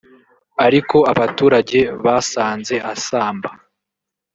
ariko abaturage basanze asamba